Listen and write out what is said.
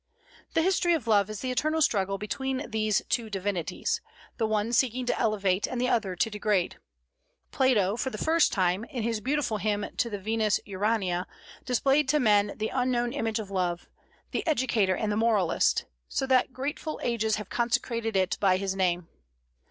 '" The history of love is the eternal struggle between these two divinities, the one seeking to elevate and the other to degrade. Plato, for the first time, in his beautiful hymn to the Venus Urania, displayed to men the unknown image of love, the educator and the moralist, so that grateful ages have consecrated it by his name.